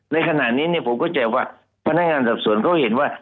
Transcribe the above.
ในขณะนี้ผมเข้าใจว่าพนักงานสอบสวนเขาเห็นว่า